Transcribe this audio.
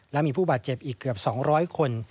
และมีผู้บาดเจ็บอีกเกือบ๒๐๐คน